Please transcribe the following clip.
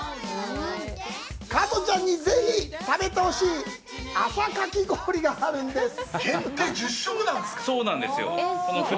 加トちゃんに、ぜひ食べてほしい朝かき氷があるんです。